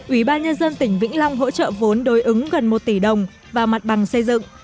ủy ban nhân dân tỉnh vĩnh long hỗ trợ vốn đối ứng gần một tỷ đồng và mặt bằng xây dựng